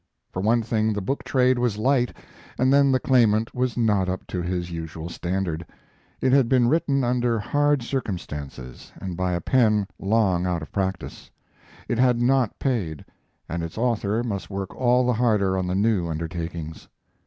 For one thing, the book trade was light, and then the Claimant was not up to his usual standard. It had been written under hard circumstances and by a pen long out of practice; it had not paid, and its author must work all the harder on the new undertakings.